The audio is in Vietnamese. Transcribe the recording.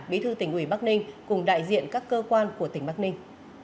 bí thư tỉnh ủy bắc ninh cùng đại diện các cơ quan của tỉnh bắc ninh